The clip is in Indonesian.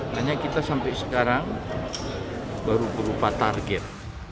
hanya kita sampai sekarang baru berupa target